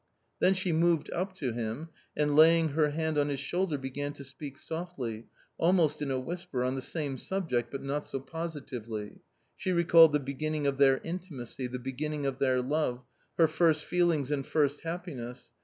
Then she moved up to him and, laying her hand on his shoulder, began to speak softly, almost in a whisper, on the same subject, but not so positively. She recalled the beginning of their intimacy, the beginning of their love, her first feelings and first happiness.